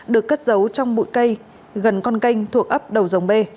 được cất giấu trong bụi cây gần con canh thuộc ấp đầu dòng b